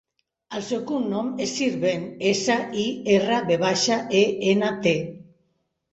El seu cognom és Sirvent: essa, i, erra, ve baixa, e, ena, te.